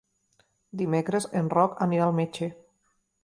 Dimecres en Roc anirà al metge.